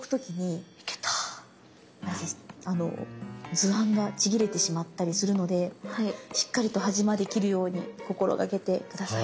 図案がちぎれてしまったりするのでしっかりと端まで切るように心掛けて下さい。